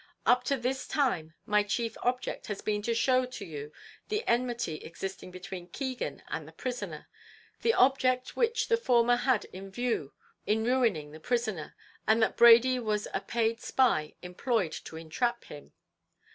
"Up to this time my chief object has been to show to you the enmity existing between Keegan and the prisoner, the object which the former had in view in ruining the prisoner, and that Brady was a paid spy employed to entrap him.